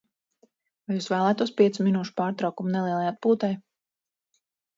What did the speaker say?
Vai jūs vēlētos piecu minūšu pārtraukumu nelielai atpūtai?